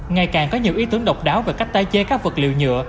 ngày càng có nhiều ý tưởng độc đáo về cách tái chế các vật liệu nhựa